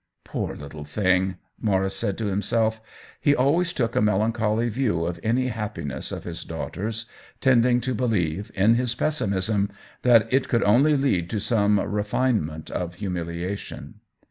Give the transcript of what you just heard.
" Poor little thing !" Maurice said to him self ; he always took a melancholy view of any happiness of his daughter's, tending to believe, in his pessimism, that it could only lead to some refinement of humiliation.